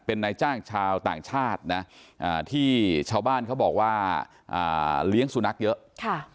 เป็นนายจ้างชาวต่างชาตินะที่ชาวบ้านเขาบอกว่าอ่าเลี้ยงสุนัขเยอะค่ะ